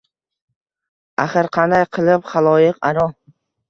Axir, qanday qilib xaloyiq aro…